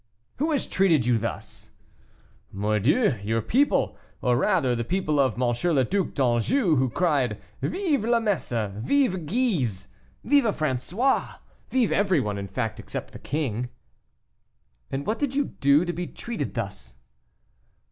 "Who has treated you thus?" "Mordieu, your people; or rather the people of; M. le Duc d'Anjou, who cried, 'Vive la Messe!' 'Vive Guise!' 'Vive François! vive everyone, in fact, except the king." "And what did you do to be treated thus?"